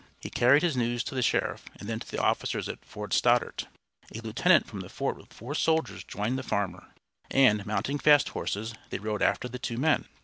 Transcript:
He carried his news to the sheriff, and then to the officers at Fort Stoddert. A lieutenant from the fort with four soldiers joined the farmer, and, mounting fast horses, they rode after the two men.